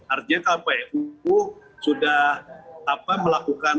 artinya kpu sudah melakukan